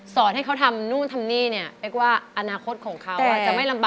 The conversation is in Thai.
สอนให้เขาทำนู่นทำนี่เนี่ยเป๊กว่าอนาคตของเขาจะไม่ลำบาก